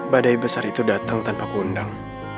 badai besar itu datang tanpa ku undang